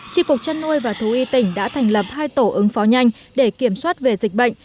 tri cục chăn nuôi và thú y tỉnh đã thành lập hai tổ ứng phó nhanh để kiểm soát về dịch bệnh